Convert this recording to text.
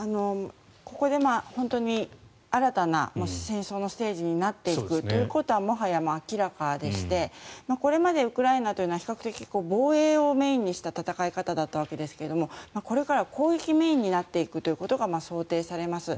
ここで本当に新たな戦争のステージになっていくということはもはや明らかでしてこれまでウクライナは比較的、防衛をメインにした戦い方だったわけですがこれからは攻撃メインになっていくことが想定されます。